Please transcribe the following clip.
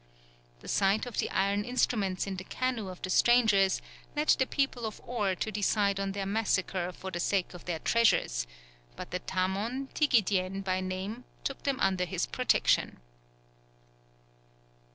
The sight of the iron instruments in the canoe of the strangers led the people of Aur to decide on their massacre for the sake of their treasures; but the tamon, Tigedien by name, took them under his protection.